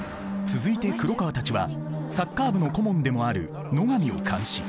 続いて黒川たちはサッカー部の顧問でもある野上を監視。